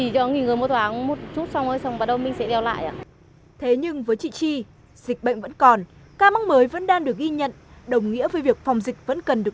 đồng thời dịch bệnh vẫn còn ca mắc mới vẫn đang được ghi nhận